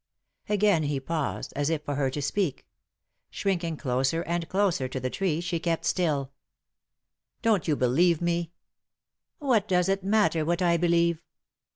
Again he paused, as if for her to speak. Shrink ing closer and closer to the tree, she kept still " Don't you believe me ?"" What does it matter what I believe